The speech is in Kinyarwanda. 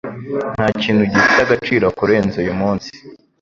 Ntakintu gifite agaciro kurenza uyumunsi.